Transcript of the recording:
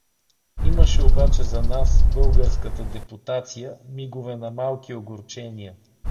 Имаше обаче за нас, българската депутация, мигове на малки огорчения.